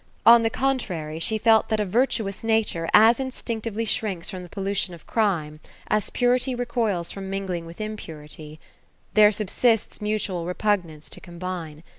On the contrary she felt that a virtuous nature as instinctively shrinks from the pollution of irime, as parity recoils from mingling with impurity, — there subsists mutual repugnance to combine.